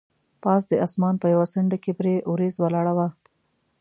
پاس د اسمان په یوه څنډه کې پرې وریځ ولاړه وه.